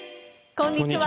こんにちは。